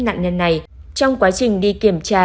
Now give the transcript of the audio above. nạn nhân này trong quá trình đi kiểm tra